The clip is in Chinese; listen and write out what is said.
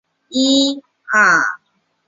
睦边青冈为壳斗科青冈属下的一个变种。